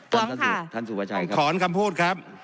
ขอขอนคำพูดครับ